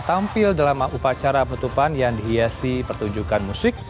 tampil dalam upacara penutupan yang dihiasi pertunjukan musik